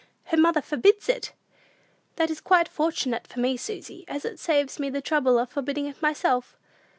Her mother forbids it!" "That is quite fortunate for me, Susy, as it saves me the trouble of forbidding it myself!"